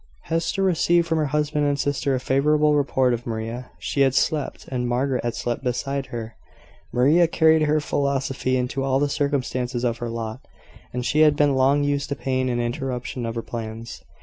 Hester received from her husband and sister a favourable report of Maria. She had slept, and Margaret had slept beside her. Maria carried her philosophy into all the circumstances of her lot, and she had been long used to pain and interruption of her plans.